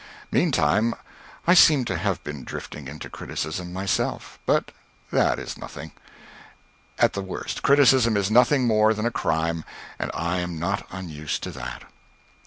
Meantime, I seem to have been drifting into criticism myself. But that is nothing. At the worst, criticism is nothing more than a crime, and I am not unused to that.